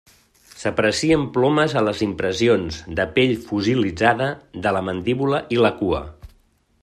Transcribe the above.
S'aprecien plomes a les impressions de pell fossilitzada de la mandíbula i la cua.